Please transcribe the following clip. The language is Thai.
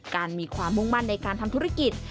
การมีความมุ่งมั่นในการทำธุรกิจ